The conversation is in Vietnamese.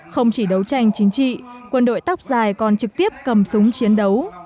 không chỉ đấu tranh chính trị quân đội tóc dài còn trực tiếp cầm súng chiến đấu